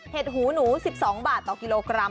หูหนู๑๒บาทต่อกิโลกรัม